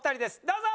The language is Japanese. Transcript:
どうぞ！